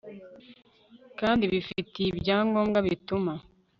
kandi bifite ibyangombwa bituma